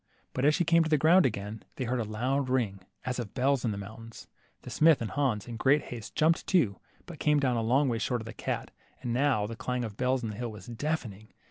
But as she came to the ground again, they heard a loud ring as of bells in the mountain. The smith and Hans, in great haste, jumped too, but came down a long way short of the cat, and now the clang of bells in the hill was deafening.